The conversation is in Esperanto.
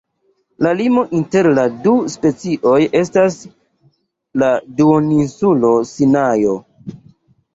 La limo inter la du specioj estas la duoninsulo Sinajo.